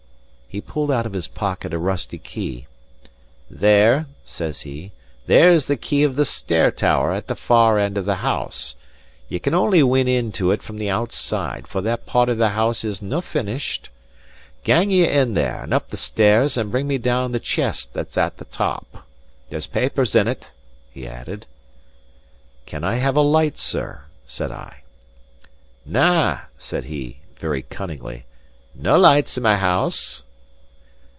He pulled out of his pocket a rusty key. "There," says he, "there's the key of the stair tower at the far end of the house. Ye can only win into it from the outside, for that part of the house is no finished. Gang ye in there, and up the stairs, and bring me down the chest that's at the top. There's papers in't," he added. "Can I have a light, sir?" said I. "Na," said he, very cunningly. "Nae lights in my house."